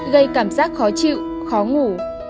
gây cảm giác khó chịu khó ngủ